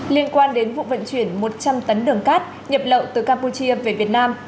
liên quan đến vụ vận chuyển một trăm linh tấn đường cát nhập lậu từ campuchia về việt nam